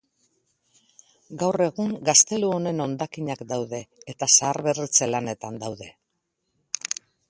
Gaur egun gaztelu honen hondakinak daude eta zaharberritze lanetan daude.